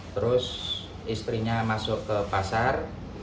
terus istrinya masuk ke pasar